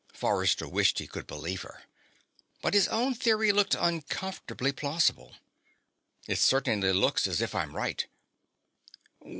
Forrester wished he could believe her. But his own theory looked uncomfortably plausible. "It certainly looks as if I'm right."